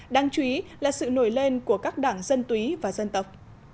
đáng chú ý là sự nổi lên của các đảng dân túy và dân tộc